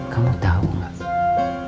kamu tahu nggak